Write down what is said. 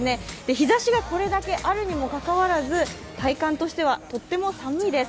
日ざしがこれだけあるにもかかわらず、体感としてはとっても寒いです。